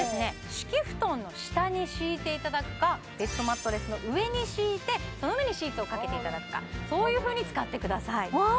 敷き布団の下に敷いていただくかベッドマットレスの上に敷いてその上にシーツをかけていただくかそういうふうに使ってください